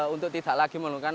untuk tidak lagi melungkaskan